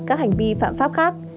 các hành vi phạm pháp khác